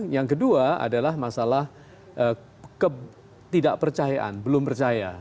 yang kedua adalah masalah ketidakpercayaan belum percaya